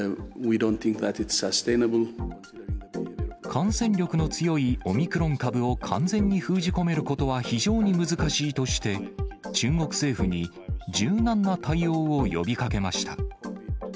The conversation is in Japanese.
感染力の強いオミクロン株を完全に封じ込めることは非常に難しいとして、中国政府に柔軟な対応を呼びかけました。